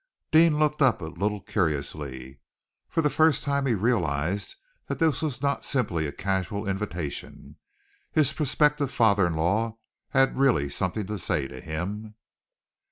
Deane looked up a little curiously. For the first time he realized that this was not simply a casual invitation. His prospective father in law had really something to say to him.